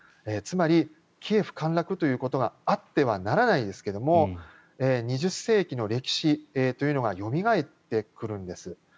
つまりキエフ陥落ということがあってはならないんですが２０世紀の歴史というのがよみがえってくるんです。